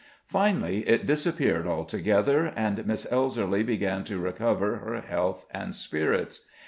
Finally, it disappeared altogether, and Miss Elserly began to recover her health and spirits.